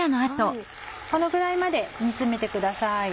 このぐらいまで煮詰めてください。